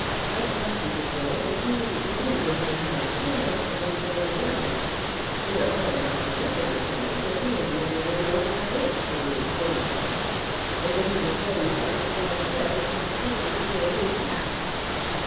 Fred Botsey declared that he didn't believe in men hunting unless they began young. Whereupon Dr. Nupper declared that he had never ridden over a fence till he was forty five, and that he was ready now to ride Fred across country for a new hat.